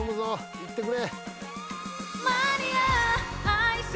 いってくれ。